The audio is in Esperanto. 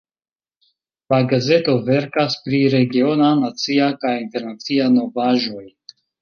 La gazeto verkas pri regiona, nacia kaj internacia novaĵoj.